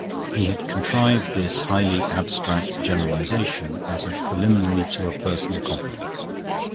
He had contrived this highly abstract generalisation as a preliminary to a personal confidence.